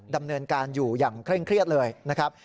ดำเนินการอยู่อย่างเคร่งเครียดเลยนะครับ